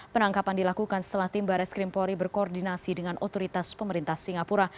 penangkapan dilakukan setelah timba reskrim polri berkoordinasi dengan otoritas pemerintah singapura